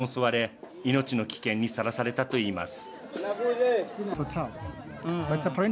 武装集団に突然襲われ命の危険にさらされたといいます。